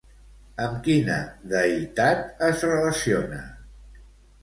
Amb quina deïtat es relaciona?